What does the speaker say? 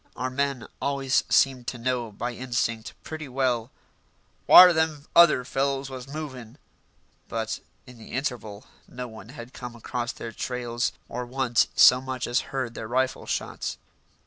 Our men always seemed to know by instinct pretty well "whar them other fellows was movin'," but in the interval no one had come across their trails, or once so much as heard their rifle shots.